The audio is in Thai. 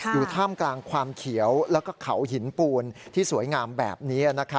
ท่ามกลางความเขียวแล้วก็เขาหินปูนที่สวยงามแบบนี้